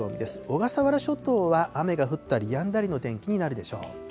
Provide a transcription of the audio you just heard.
小笠原諸島は雨が降ったりやんだりの天気になるでしょう。